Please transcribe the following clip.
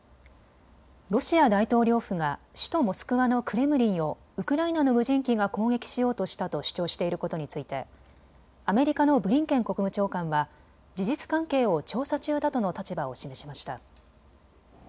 ロシア大統領府が首都モスクワのクレムリンをウクライナの無人機が攻撃しようとしたと主張していることについてアメリカのブリンケン国務長官は事実関係を調査中だとの立場を示しました。